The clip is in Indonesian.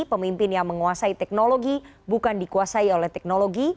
pemimpin yang menguasai teknologi bukan dikuasai oleh teknologi